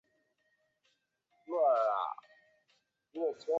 规模最大的公司